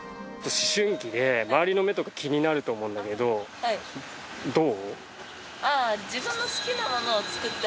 思春期で周りの目とか気になると思うんだけどどう？